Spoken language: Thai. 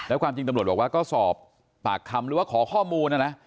แล้วความจริงตำรวจบอกว่าก็สอบปากคำหรือว่าขอข้อมูลนะนะ